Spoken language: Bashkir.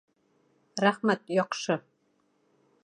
Рәхмәт, яҡшы